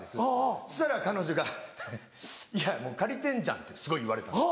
そしたら彼女が「いやもう借りてんじゃん」ってすごい言われたんです。